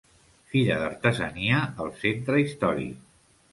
Fira d'artesania al centre històric.